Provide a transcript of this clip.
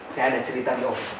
saya ada cerita di om